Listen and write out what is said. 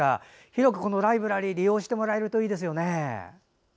広くこのライブラリーを利用してもらえるといいですよね。